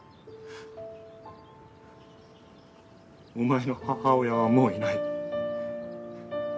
お前の母親はもういない。